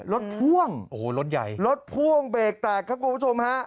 พ่วงโอ้โหรถใหญ่รถพ่วงเบรกแตกครับคุณผู้ชมฮะ